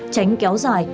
tránh kéo dài